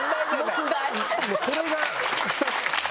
それが。